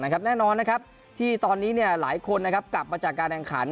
แน่นอนที่ตอนนี้หลายคนกลับมาจากการแข่งขัน